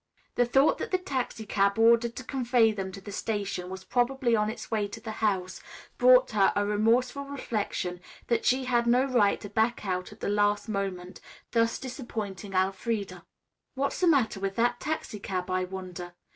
The thought that the taxicab ordered to convey them to the station was probably on its way to the house, brought her a remorseful reflection that she had no right to back out at the last moment, thus disappointing Elfreda. "What's the matter with that taxicab, I wonder?"